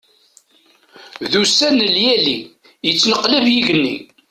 D ussan n lyali, yettneqlab yigenni.